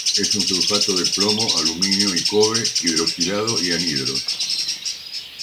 Es un sulfato de plomo, aluminio y cobre, hidroxilado y anhidro.